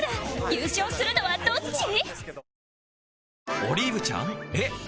優勝するのはどっち？